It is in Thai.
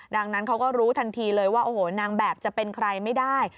ดังนั้นเขาก็รู้ทันทีเลยว่าโอ้โหนางแบบจะเป็นใครไม่ได้